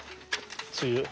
梅雨。